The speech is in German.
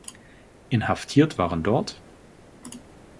Inhaftiert waren dort